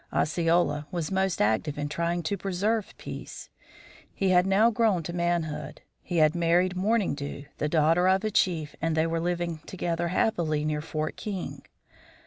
Osceola was most active in trying to preserve peace. He had now grown to manhood. He had married Morning Dew, the daughter of a chief, and they were living together happily near Fort King.